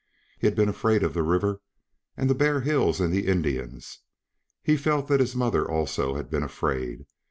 He had been afraid of the river and of the bare hills and the Indians. He felt that his mother, also, had been afraid.